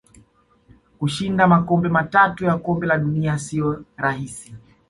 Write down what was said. Kushinda makombe matatu ya kombe la dunia siyo rahisi